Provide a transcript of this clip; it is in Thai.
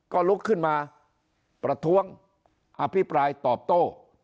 ก็ลุกขึ้นมาประท้วงอภิปรายตอบโต้